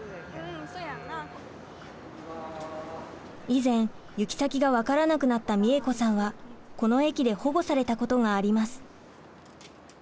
以前行き先が分からなくなったみえ子さんはこの駅で保護されたことがあります。